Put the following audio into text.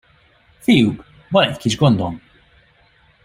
Fiúk, van egy kis gondom!